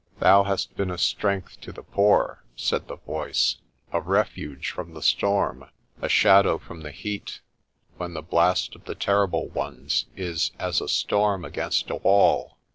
"Thou hast been a strength to the poor," said the voice, "a refuge from the storm, a shadow from the heat^ 'when the blast of the Terrible Ones is as a storm against a 'wall.